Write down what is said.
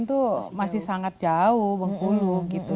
itu masih sangat jauh bengkulu gitu